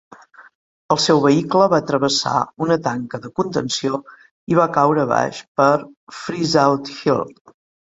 El seu vehicle va travessar una tanca de contenció i va caure abaix per Freezeout Hill.